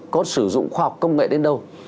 có sử dụng khoa học công nghệ đến đâu